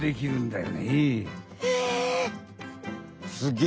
へえ！